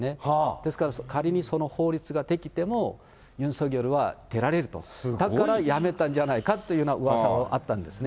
ですから仮にその法律が出来ても、ユン・ソギョルは出られると、だから辞めたんじゃないかというようなうわさがあったんですね。